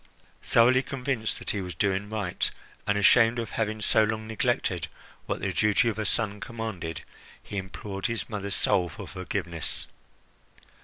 Thoroughly convinced that he was doing right, and ashamed of having so long neglected what the duty of a son commanded, he implored his mother's soul for forgiveness.